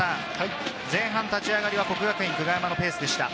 前半の立ち上がりは國學院久我山のペースでした。